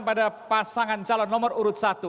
pada pasangan calon nomor urut satu